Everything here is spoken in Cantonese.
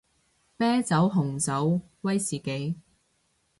啤酒紅酒威士忌